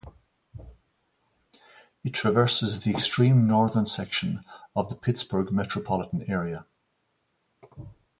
It traverses the extreme northern section of the Pittsburgh metropolitan area.